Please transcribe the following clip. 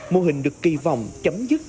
mô hình được kỳ vọng chấm dứt